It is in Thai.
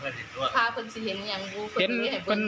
คุณในการที่เห็นให้บึง